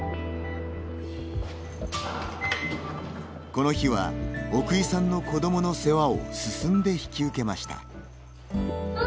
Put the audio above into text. この日は、奧井さんの子どもの世話を進んで引き受けました。